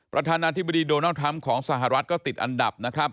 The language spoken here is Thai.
ประธานาธิบดีโดนาลด์ทัมป์ของสหรัฐก็ติดอันดับ